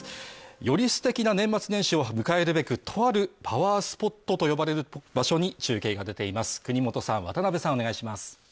よりすてきな年末年始を迎えるべくとあるパワースポットと呼ばれる場所に中継が出ています。